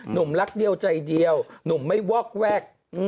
หนุ่มรักเดียวใจเดียวหนุ่มไม่วอกแวก